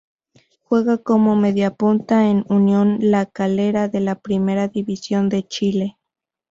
Juega como mediapunta en Unión La Calera de la Primera División de Chile.